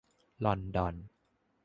ลอนดอน